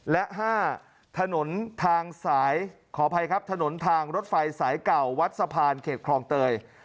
และ๕ถนนทางรถไฟสายเก่าวัดสะพานเขตครองเตย